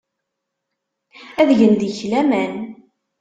Ad gen deg-k laman.